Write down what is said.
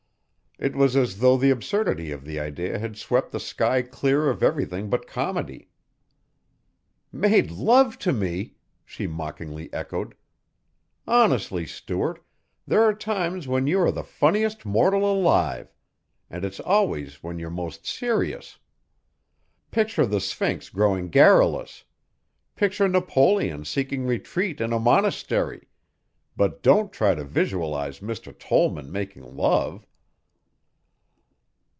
It was as though the absurdity of the idea had swept the sky clear of everything but comedy. "Made love to me!" she mockingly echoed. "Honestly, Stuart, there are times when you are the funniest mortal alive and it's always when you're most serious. Picture the Sphinx growing garrulous. Picture Napoleon seeking retreat in a monastery but don't try to visualize Mr. Tollman making love."